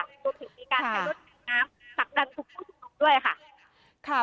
ก็ถึงมีการใช้รถฉีดน้ำดันสูงถูกต้องด้วยค่ะค่ะ